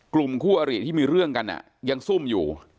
กลุ่มคู่อริที่มีเรื่องกันยังซุ่มอยู่